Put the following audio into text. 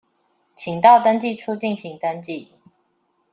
請到登記處進行登記